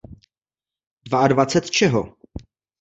Dvaadvacet čeho?